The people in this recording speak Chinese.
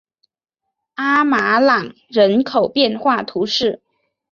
阿马朗人口变化图示